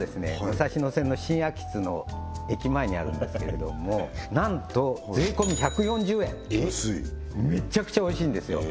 武蔵野線の新秋津の駅前にあるんですけれどもなんと税込み１４０円安いメッチャクチャおいしいんですよ